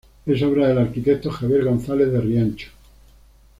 Es obra del arquitecto Javier González de Riancho.